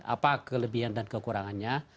apa kelebihan dan kekurangannya